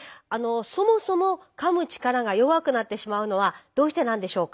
そもそもかむ力が弱くなってしまうのはどうしてなんでしょうか？